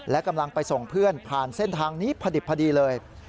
และกำลังไปส่งเพื่อนผ่านเส้นทางนี้พอดิบพอดีเลย